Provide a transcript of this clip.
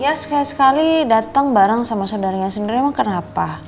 ya sekali sekali datang bareng sama saudaranya sendiri emang kenapa